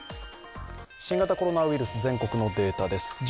新型コロナウイルス、全国のデータです。